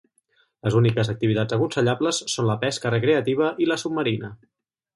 Les úniques activitats aconsellables són la pesca recreativa i la submarina.